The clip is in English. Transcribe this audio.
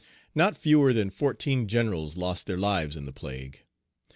Not fewer than fourteen generals lost their lives in the plague.